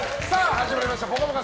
始まりました「ぽかぽか」